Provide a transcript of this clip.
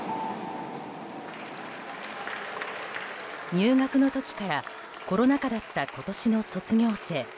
入学の時からコロナ禍だった今年の卒業生。